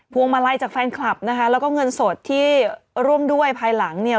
วงมาลัยจากแฟนคลับนะคะแล้วก็เงินสดที่ร่วมด้วยภายหลังเนี่ย